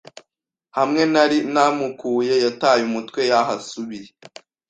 hamwe nari namukuye yataye umutwe yahasubiye